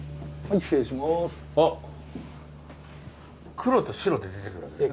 黒と白で出てくるわけですね。